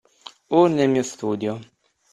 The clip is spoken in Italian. o nel mio studio.